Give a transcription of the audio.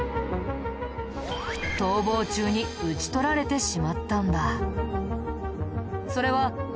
逃亡中に討ち取られてしまったんだ。